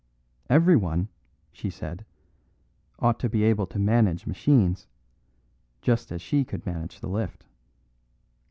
Everyone, she said, ought to be able to manage machines, just as she could manage the lift.